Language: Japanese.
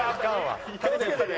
気を付けてね。